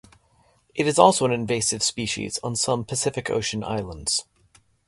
It is also an invasive species on some Pacific Ocean islands.